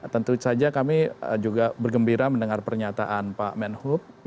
tentu saja kami juga bergembira mendengar pernyataan pak menhub